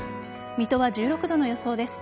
水戸は１６度の予想です。